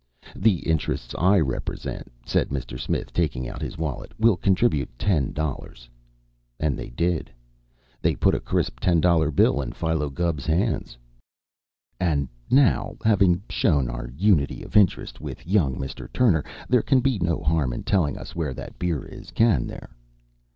"The interests I represent," said Mr. Smith, taking out his wallet, "will contribute ten dollars." And they did. They put a crisp ten dollar bill in Philo Gubb's hands. "And now, having shown our unity of interest with young Mr. Turner, there can be no harm in telling us where that beer is, can there?"